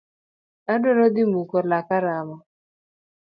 Adwaro dhi muko laka rama.